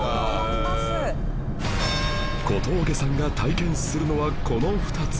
小峠さんが体験するのはこの２つ